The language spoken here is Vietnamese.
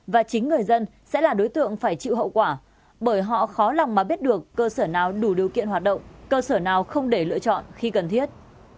và chính người dân sẽ là đối tượng phải chịu hậu quả bởi họ khó lòng mà biết được cơ sở nào đủ điều kiện hoạt động cơ sở nào không để lựa chọn khi cần thiết